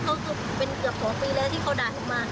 เขาคือเป็นเกือบ๒ปีแล้วที่เขาด่าหนูมา